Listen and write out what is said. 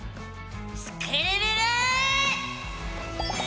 スクるるる！